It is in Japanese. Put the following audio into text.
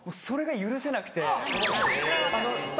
それが許せなくて。